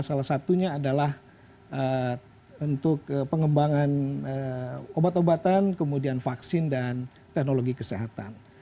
salah satunya adalah untuk pengembangan obat obatan kemudian vaksin dan teknologi kesehatan